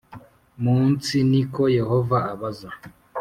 munsi ni ko Yehova abaza